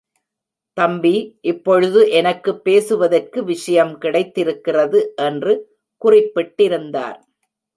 தம்பி, இப்பொழுது எனக்கு பேசுவதற்கு விஷயம் கிடைத்திருக்கிறது என்று குறிப்பிட்டிருந்தார்.